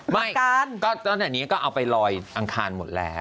ไม่กันก็ตั้งแต่นี้ก็เอาไปลอยอังคารหมดแล้ว